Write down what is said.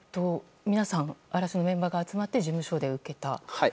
嵐のメンバーが集まって事務所で受けたと。